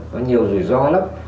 nó nhiều rủi ro lắm